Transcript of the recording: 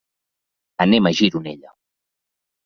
Anem a Gironella.